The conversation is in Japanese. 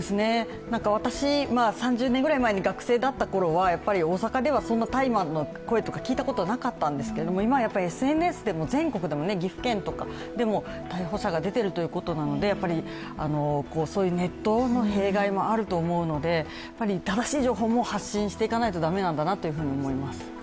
私、３０年ぐらい前に学生だったころは、大阪ではそんな大麻の声とか聞いたことなかったんですけど今ではＳＮＳとか全国でも岐阜県とかでも逮捕者が出ているということなので、そういうネットの弊害もあると思うので、正しい情報も発信していかないと駄目なんだなと思います。